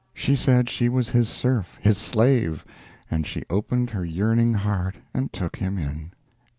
She said she was his serf, his slave, and she opened her yearning heart and took him in.